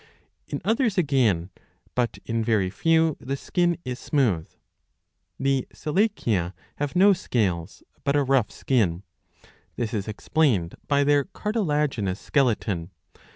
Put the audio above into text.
In others again, but in very few, the skin is smooth.^^ The Selachia have no scales, but a rough skin. This is explained by their cartilaginous skeleton.